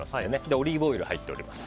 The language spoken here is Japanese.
オリーブオイルが入っております。